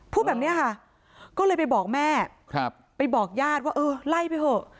พูดแบบนี้ค่ะก็เลยไปบอกแม่ไปบอกญาติว่าเออไล่ไปเถอะ